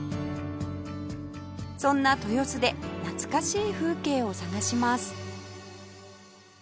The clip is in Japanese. そんな豊洲で懐かしい風景を探します